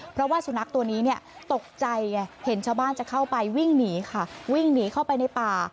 เพราะว่าสุนัขตัวนี้เนี่ยตกใจไงเห็นชาวบ้านจะเข้าไปวิ่งหนีค่ะวิ่งหนีเข้าไปในป่า